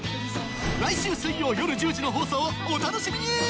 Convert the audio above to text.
来週水曜夜１０時の放送をお楽しみに！